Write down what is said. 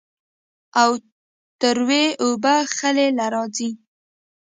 او تروې اوبۀ خلې له راځي